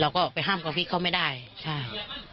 เราก็ไปห้ามกระพริกเขาไม่ได้ใช่